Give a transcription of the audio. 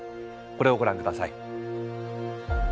これをご覧下さい。